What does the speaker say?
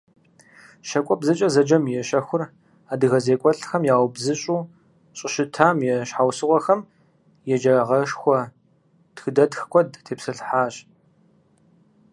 «ЩакӀуэбзэкӀэ» зэджэм и щэхур адыгэ зекӀуэлӀхэм яубзыщӀу щӀыщытам и щхьэусыгъуэхэм, еджагъэшхуэ тхыдэтх куэд тепсэлъыхьащ.